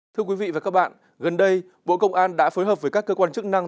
thưa quý vị và các bạn gần đây bộ công an đã phối hợp với các cơ quan chức năng